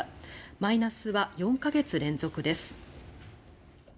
マイナスは４か月連続です。